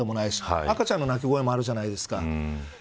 赤ちゃんの泣き声もあるじゃないですか。